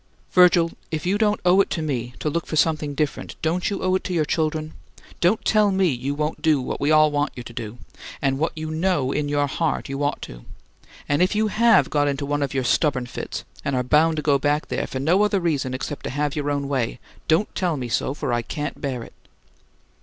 "Virgil, if you don't owe it to me to look for something different, don't you owe it to your children? Don't tell me you won't do what we all want you to, and what you know in your heart you ought to! And if you HAVE got into one of your stubborn fits and are bound to go back there for no other reason except to have your own way, don't tell me so, for I can't bear it!"